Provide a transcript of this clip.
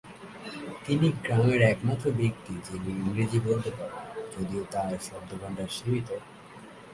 তিনি গ্রামের একমাত্র ব্যক্তি যিনি ইংরেজি বলতে পারেন, যদিও তার শব্দভাণ্ডার সীমিত।